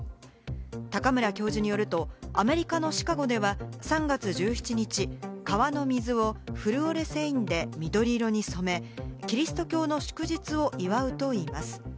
高村教授によると、アメリカのシカゴでは３月１７日、川の水をフルオレセインで緑色に染め、キリスト教の祝日を祝うといいます。